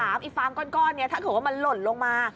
ไอ้ฟาร์มก้อนนี้ถ้าเกิดว่ามันหล่นลงมา